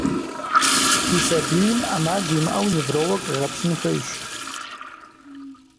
Фи сабийм Ӏэмал имыӀэу невролог къегъэплъын хуейщ.